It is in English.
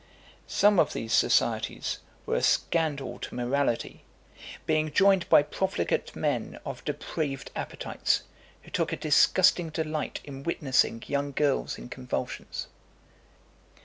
Some of these societies were a scandal to morality, being joined by profligate men of depraved appetites, who took a disgusting delight in witnessing young girls in convulsions.